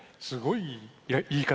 すごいな。